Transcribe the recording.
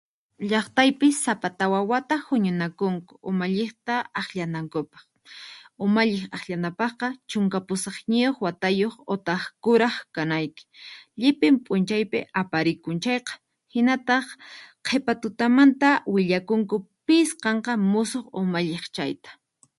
Llaqtaypi sapa tawa wata huñunakunku umalliqta akllanankupaq. Umalliq akllanapaqqa chunka pusaqniyuq watayuq utak kuraq kanayki. Llipin p'unchaypi aparikun chayqa hinataq, qhipa tutamantanta willakunku pis qanqa musuq umalliq chayta.